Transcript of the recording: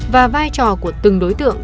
và vai trò của từng đối tượng